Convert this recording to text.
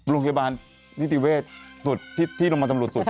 โรงพยาบาลนิติเวชที่โรงมานสำรวจตรวจผิด